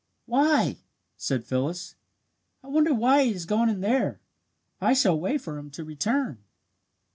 "Why!" said Phyllis. "I wonder why he has gone in there. I shall wait for him to return."